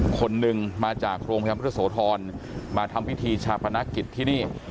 คนหนึ่งมาจากโรงพยาบาลพุทธโสธรมาทำพิธีชาปนกิจที่นี่